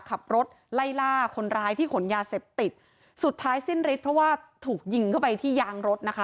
ขับรถไล่ล่าคนร้ายที่ขนยาเสพติดสุดท้ายสิ้นฤทธิ์เพราะว่าถูกยิงเข้าไปที่ยางรถนะคะ